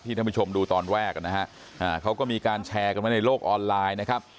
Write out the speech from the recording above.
ท่านผู้ชมดูตอนแรกนะฮะเขาก็มีการแชร์กันไว้ในโลกออนไลน์นะครับ